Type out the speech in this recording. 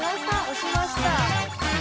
押しました。